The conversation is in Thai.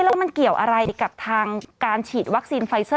แล้วมันเกี่ยวอะไรกับทางการฉีดวัคซีนไฟเซอร์